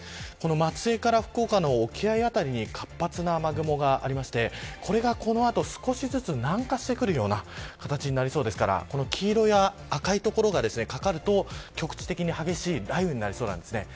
松江から福岡の沖合辺りに活発な雨雲がありましてこれが、この後、少しずつ南下してくるような形になりそうですから黄色や赤い所がかかると局地的に激しい雷雨になりそうなんです。